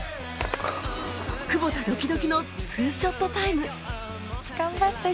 久保田ドキドキの２ショットタイム頑張って。